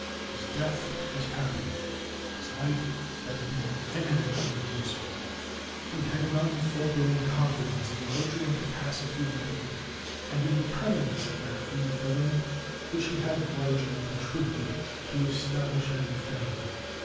His death was happy, as his life had been eminently useful. He had an unfaltering confidence in the virtue and capacity of the people and in the permanence of that free Government which he had largely contributed to establish and defend.